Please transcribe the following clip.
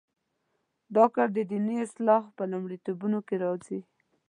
دا کار د دیني اصلاح په لومړیتوبونو کې نه راځي.